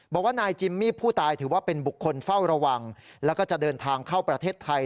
บอกว่านายจิมมี่ผู้ตายถือว่าเป็นบุคคลเฝ้าระวังแล้วก็จะเดินทางเข้าประเทศไทย